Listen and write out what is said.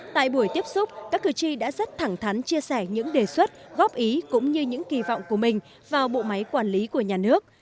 tại buổi tiếp xúc các cử tri đã rất thẳng thắn chia sẻ những đề xuất góp ý cũng như những kỳ vọng của mình vào bộ máy quản lý của nhà nước